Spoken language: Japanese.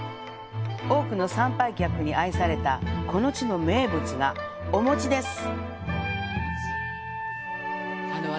多くの参拝客に愛されたこの地の名物がお餅です。